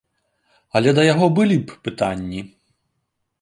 Але да яго былі б пытанні.